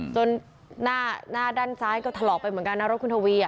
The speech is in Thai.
หน้าด้านซ้ายก็ถลอกไปเหมือนกันนะรถคุณทวี